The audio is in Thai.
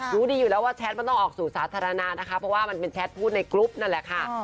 รู้ดีอยู่แล้วว่าแชทมันต้องออกสู่สาธารณะนะคะเพราะว่ามันเป็นแชทพูดในกรุ๊ปนั่นแหละค่ะ